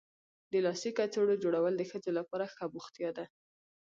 د لاسي کڅوړو جوړول د ښځو لپاره ښه بوختیا ده.